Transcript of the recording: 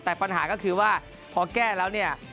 แต่ปัญหาก็คือว่าพอแก้แล้วเนี่ย